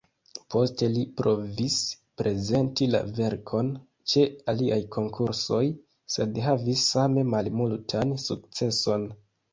Poste li provis prezenti la verkon ĉe aliaj konkursoj, sed havis same malmultan sukceson.